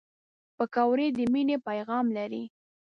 پکورې د مینې پیغام لري